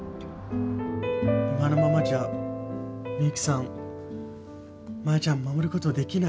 今のままじゃミユキさんマヤちゃん守ることできない。